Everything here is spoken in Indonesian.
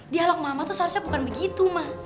dialog mama tuh seharusnya bukan begitu mah